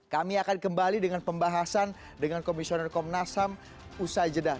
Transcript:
kami akan kembali dengan pembahasan dengan komisioner komnas ham usai jeda